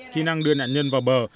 kỹ năng đưa nạn nhân vào bờ